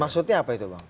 maksudnya apa itu bang